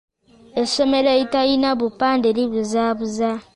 Essomero eritalina bupande libuzaabuza.